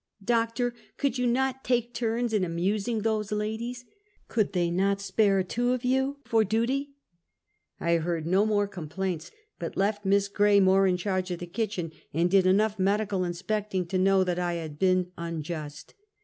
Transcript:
Doctor, could you not take turns in amusing those ladies'? Could they not spare two of you for duty?" I heard no more complaints, but left Miss Grey more in charge of the kitchen, and did enough medi cal inspecting to know that I had been unjust.